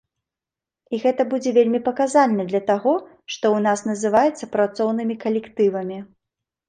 І гэта будзе вельмі паказальна для таго, што ў нас называецца працоўнымі калектывамі.